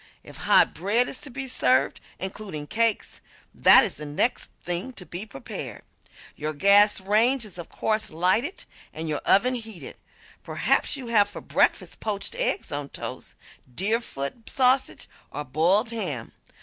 If hot bread is to be served (including cakes) that is the next thing to be prepared. Your gas range is of course lighted, and your oven heated. Perhaps you have for breakfast poached eggs on toast, Deerfoot sausage or boiled ham.